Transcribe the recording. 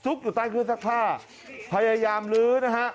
ซุกอยู่ใต้ขึ้นสักผ้าพยายามลื้อนะฮะ